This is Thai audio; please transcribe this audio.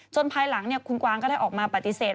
ภายหลังคุณกวางก็ได้ออกมาปฏิเสธ